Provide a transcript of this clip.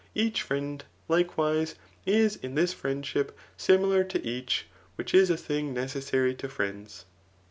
Each friaid, likewise, is in this friendship similar to each^ which is a thing necessary to friends.